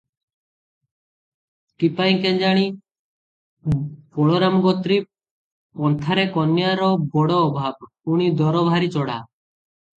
କିପାଇଁ କେଜାଣି, ବଳରାମଗୋତ୍ରୀ ପନ୍ଥାରେ କନ୍ୟାର ବଡ଼ ଅଭାବ, ପୁଣି ଦର ଭାରି ଚଢ଼ା ।